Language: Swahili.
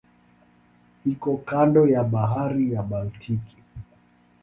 Iko kando ya Bahari ya Baltiki.